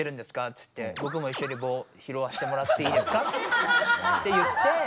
つってぼくもいっしょに棒ひろわせてもらっていいですか？」って言って。